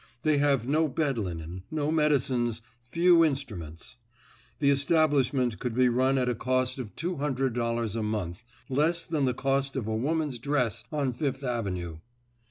They have no bed linen, no medicines, few instruments. The establishment could be run at a cost of two hundred dollars a month—less than the cost of a woman's dress on Fifth Avenue.